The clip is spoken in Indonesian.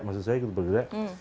maksud saya ikut bergerak